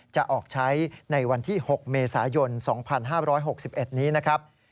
จะออกใช้ในวันที่๖เมษายน๒๕๖๑นี้นะครับ